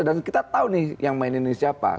dan kita tahu nih yang main ini siapa